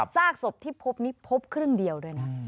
ซากศพที่พบนี้พบครึ่งเดียวด้วยนะ